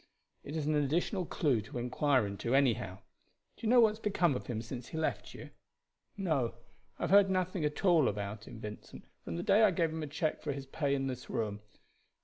It is an additional clew to inquire into, anyhow. Do you know what has become of him since he left you?" "No; I have heard nothing at all about him, Vincent, from the day I gave him a check for his pay in this room.